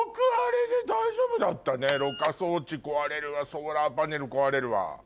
ろ過装置壊れるわソーラーパネル壊れるわ。